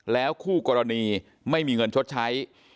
แล้วคู่กรณีไม่มีเงินชดใช้